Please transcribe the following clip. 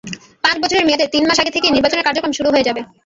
পাঁচ বছরের মেয়াদের তিন মাস আগে থেকেই নির্বাচনের কার্যক্রম শুরু হয়ে যাবে।